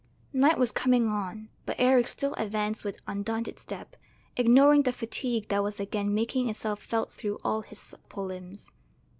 Night was coming on, but Eric still advanced with undaunted step, ignoring the fatigue that was again making itself felt through all his supple limbs.